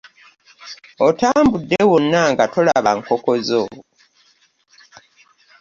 Otambudde wonna nga tolaba nkoko zo?